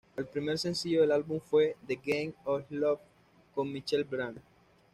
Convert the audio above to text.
El primer sencillo del álbum fue "The Game of Love", con Michelle Branch.